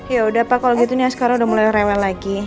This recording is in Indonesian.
yaudah pa kalau gitu nih askara udah mulai rewel lagi